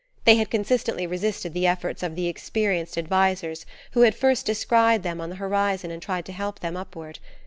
They had consistently resisted the efforts of the experienced advisers who had first descried them on the horizon and tried to help them upward.